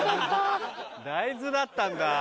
大豆だったんだ。